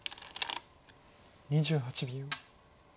２８秒。